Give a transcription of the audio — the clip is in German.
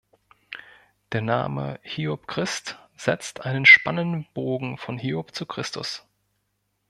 Der Name "Hiob Christ" setzt einen spannenden Bogen von Hiob zu Christus.